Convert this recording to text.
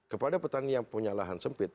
kepada petani yang punya lahan sempit